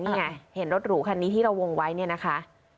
นี่ไงเห็นรถหรูคันนี้ที่เราวงไว้เนี่ยนะคะ